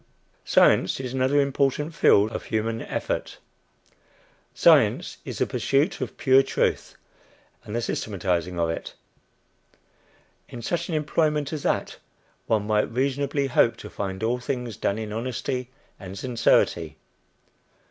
Science is another important field of human effort. Science is the pursuit of pure truth, and the systematizing of it. In such an employment as that, one might reasonably hope to find all things done in honesty and sincerity.